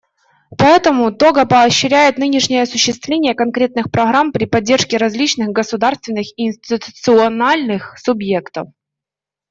Поэтому Того поощряет нынешнее осуществление конкретных программ при поддержке различных государственных и институциональных субъектов.